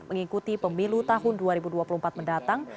mengikuti pemilu tahun dua ribu dua puluh empat mendatang